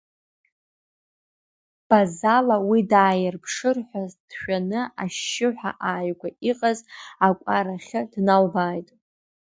Базала уи дааирԥшыр ҳәа дшәаны ашьшьыҳәа ааигәа иҟаз акәарахьы дналбааит.